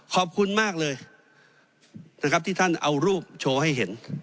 ขอบคุณมากเลยนะครับที่ท่านเอารูปโชว์ให้เห็น